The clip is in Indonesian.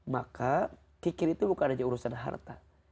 maka kikir itu bukan hanya urusan harta